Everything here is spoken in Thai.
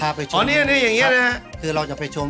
มะพร้าวน้ำหอม